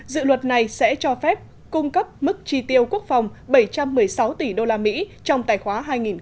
dự luật này sẽ cho phép cung cấp mức tri tiêu quốc phòng bảy trăm một mươi sáu tỷ usd trong tài khoá hai nghìn hai mươi